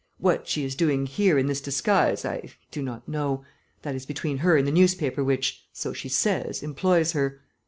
What she is doing here in this disguise I do not know; that is between her and the newspaper which, so she says, employs her.